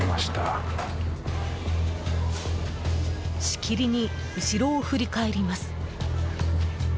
しきりに後ろを振り返ります。